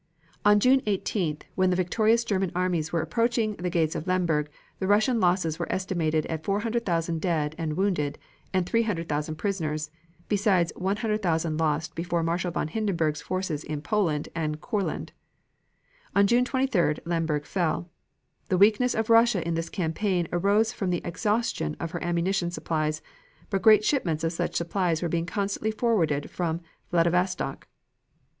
On June 18th, when the victorious German armies were approaching the gates of Lemberg, the Russian losses were estimated at 400,000 dead and wounded, and 300,000 prisoners, besides 100,000 lost before Marshal von Hindenburg's forces in Poland and Courland. On June 23d Lemberg fell. The weakness of Russia in this campaign arose from the exhaustion of her ammunition supplies, but great shipments of such supplies were being constantly forwarded from Vladivostock.